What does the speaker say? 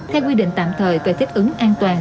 theo quy định tạm thời về thích ứng an toàn